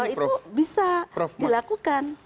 kalau itu bisa dilakukan